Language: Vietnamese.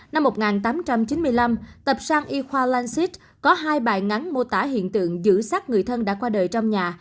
năm một nghìn tám trăm chín mươi năm tập sang y khoa lansit có hai bài ngắn mô tả hiện tượng giữ sát người thân đã qua đời trong nhà